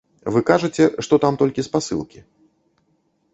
Вы кажаце, што там толькі спасылкі.